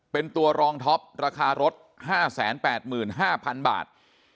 เป็นตัวรองท็อปราคารถ๕๘๕๐๐๐บาท